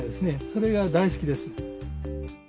それが大好きです。